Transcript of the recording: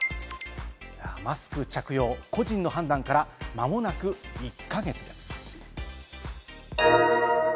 マスク着用、個人の判断から間もなく１か月です。